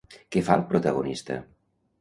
Què fa el protagonista?